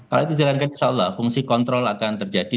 kalau itu dijalankan insya allah fungsi kontrol akan terjadi